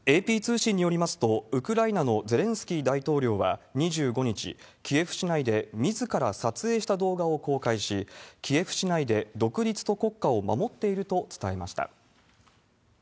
ＡＰ通信によりますと、ウクライナのゼレンスキー大統領は２５日、キエフ市内でみずから撮影した動画を公開し、キエフ市内で独立と国家を守っていると伝えました。